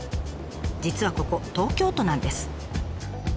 実はここ東京都なんです。